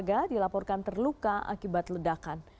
ya atapannya bisa di resep teh